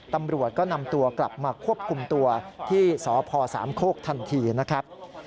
ตำรวจก็นำตัวกลับมาควบคุมตัวที่สพสามโคกทันทีนะครับ